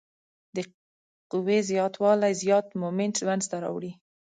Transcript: د قوې زیات والی زیات مومنټ منځته راوړي.